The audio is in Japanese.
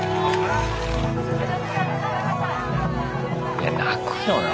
いや泣くよな